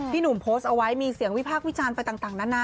หนุ่มโพสต์เอาไว้มีเสียงวิพากษ์วิจารณ์ไปต่างนานา